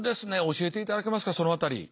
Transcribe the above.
教えていただけますかその辺り。